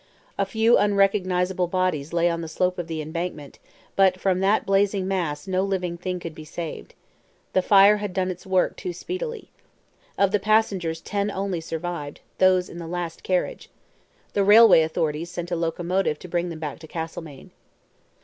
A few unrecognizable bodies lay on the slope of the embankment, but from that blazing mass no living thing could be saved. The fire had done its work too speedily. Of the passengers ten only survived those in the last carriage. The railway authorities sent a locomotive to bring them back to Castlemaine.